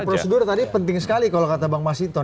bicara prosedur tadi penting sekali kalau kata bang mas hinton